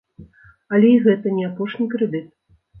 Але і гэта не апошні крэдыт.